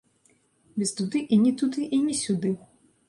Без дуды і не туды, і не сюды!